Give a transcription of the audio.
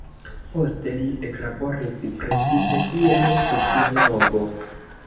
Poste li eklaboris, precipe kiel sociologo.